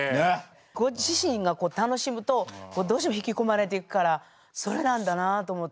ご自身が楽しむとどうしても引き込まれていくからそれなんだなと思って。